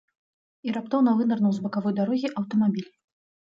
І раптоўна вынырнуў з бакавой дарогі аўтамабіль.